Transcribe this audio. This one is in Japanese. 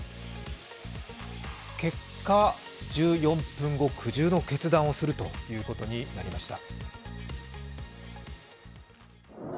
結果、１４分後、苦渋の決断をするということになりました。